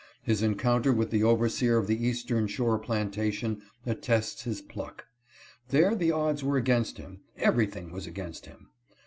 His encounter with the over seer of the eastern shore plantation attests his pluck. There the odds were against him, everything was against him.